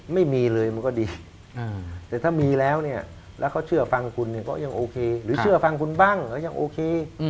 ไม่มีเลยมันก็ดีแต่ถ้ามีแล้วเนี่ยแล้วเขาเชื่อฟังคุณเนี่ยก็ยังโอเคหรือเชื่อฟังคุณบ้างก็ยังโอเค